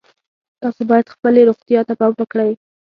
تاسو باید خپلې روغتیا ته پام وکړئ